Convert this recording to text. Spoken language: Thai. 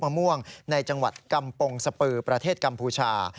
มะม่วงในจังหวัดกำปงสปือประเทศกัมพูชา